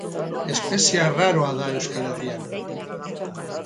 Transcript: Espezie arraroa da Euskal Herrian.